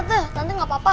tante gak apa apa